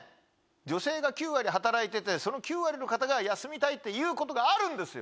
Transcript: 女性が９割働いててその９割の方が休みたいっていうことがあるんですよ。